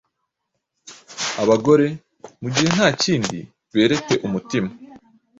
Abagore, mugihe ntakindi, berete umutima